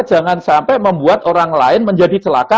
jangan sampai membuat orang lain menjadi celaka